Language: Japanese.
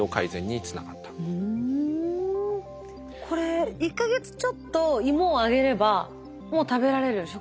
これ１か月ちょっと芋をあげればもう食べられる。